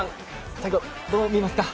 最後どう見ますか？